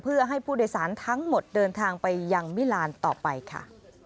เพื่อให้ผู้โดยสารทั้งหมดเดินทางไปยังมิลานต่อไปค่ะ